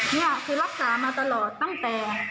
นี่คือรักษามาตลอดตั้งแต่